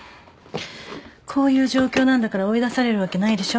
こういう状況なんだから追い出されるわけないでしょ。